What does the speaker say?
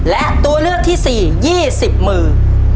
และตัวเลือกที่สี่ยี่สิบมือ